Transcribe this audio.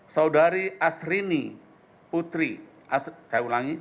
satu saudari asrini